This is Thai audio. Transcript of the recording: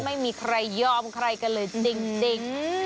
ไม่มีใครยอมใครกันเลยจริง